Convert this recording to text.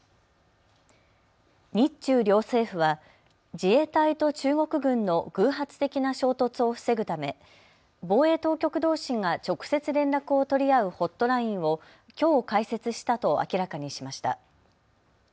日中両政府は自衛隊と中国軍の偶発的な衝突を防ぐため防衛当局どうしが直接連絡を取り合うホットラインを、きょう開設したと明らかにしました。